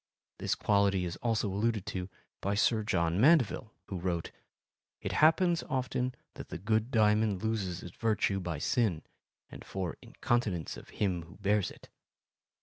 This quality is also alluded to by Sir John Mandeville, who wrote: It happens often that the good diamond loses its virtue by sin and for incontinence of him who bears it.